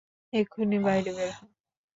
এক্ষুণি বাইরে বের হ!